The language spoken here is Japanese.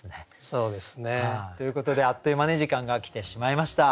そうですね。ということであっという間に時間が来てしまいました。